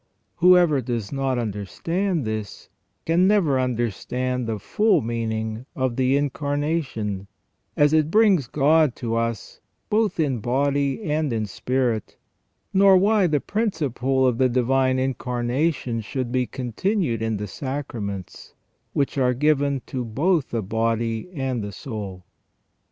Whoever does not understand this can never understan~d the full meaning of the Incarnation as it brings God to us both in body and in spirit, nor why the principle of the Divine Incarnation should be continued in the sacraments, which are given to both the body and the soul.